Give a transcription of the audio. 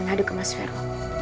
menadu ke mas fero